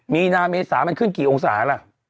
มีนาเมษามันขึ้นกี่องศาล่ะ